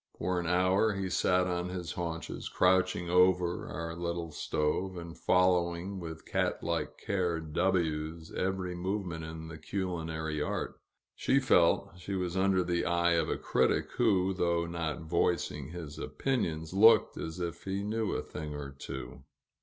For an hour, he sat on his haunches, crouching over our little stove, and following with cat like care W 's every movement in the culinary art; she felt she was under the eye of a critic who, though not voicing his opinions, looked as if he knew a thing or two.